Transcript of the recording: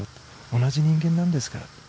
同じ人間なんですからと。